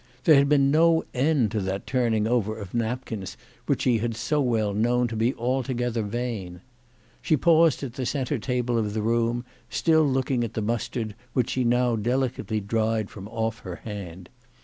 There had been no end to that turning over of napkins which she had so well known to be altogether vain. She paused at the centre table of the room, still looking at the mustard, which she now deli cately dried from off her hand.